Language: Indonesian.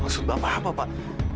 maksud bapak apa pak